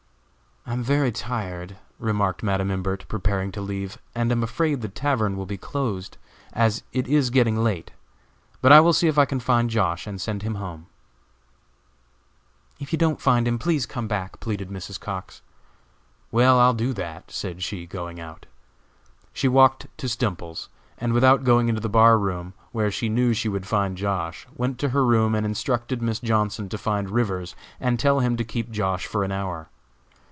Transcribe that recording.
"I am very tired," remarked Madam Imbert, preparing to leave, "and am afraid the tavern will be closed, as it is getting late; but I will see if I can find Josh., and send him home." "If you don't find him, please come back," pleaded Mrs. Cox. "Well, I'll do that," said she, going out. She walked to Stemples's, and without going into the bar room, where she knew she would find Josh., went to her room and instructed Miss Johnson to find Rivers and tell him to keep Josh. for an hour.